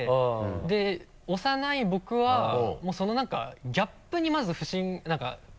で幼い僕はその何かギャップにまず何か。